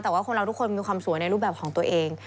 แต่ว่าคนเราทุกคนมีความสวยในรูปแบบของตัวเอง